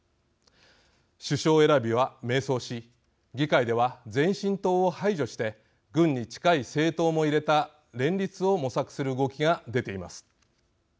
首相選びは迷走し、議会では前進党を排除して軍に近い政党も入れた連立を模索する動きが出ています。